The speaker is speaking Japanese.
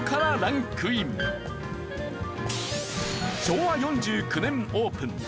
昭和４９年オープン。